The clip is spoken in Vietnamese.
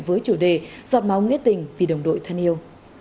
với chủ đề giọt máu nghĩa tình vì đồng đội thân yêu